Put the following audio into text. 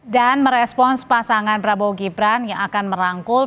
dan merespons pasangan prabowo gibran yang akan merangkul